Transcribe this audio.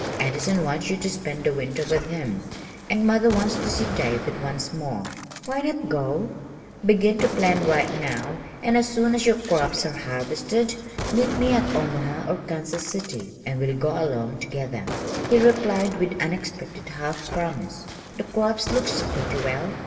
Addison wants you to spend the winter with him, and mother wants to see David once more why not go? Begin to plan right now and as soon as your crops are harvested, meet me at Omaha or Kansas City and we'll all go along together." He replied with unexpected half promise. "The crops look pretty well.